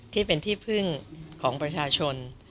ที่เป็นที่พึ่งของประชาชน